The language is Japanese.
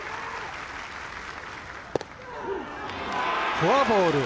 フォアボール。